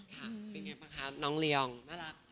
ค่ะเป็นไงบ้างคะน้องลีอองน่ารัก